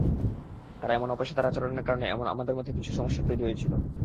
তার এমন অপেশাদার আচরণের কারণে আমাদের মধ্যে কিছু সমস্যাও তৈরি হয়েছিল।